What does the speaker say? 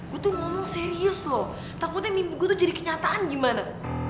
gue tuh ngomong serius loh takutnya mimpi gue tuh jadi kenyataan gimana